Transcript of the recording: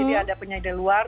jadi ada penyedia luar